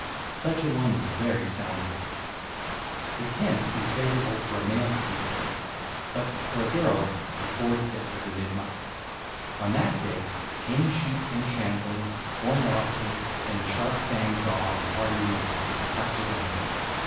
Such an one is very sound witted. The tenth is favourable for a male to be born; but, for a girl, the fourth day of the mid month. On that day tame sheep and shambling, horned oxen, and the sharp fanged dog and hardy mules to the touch of the hand.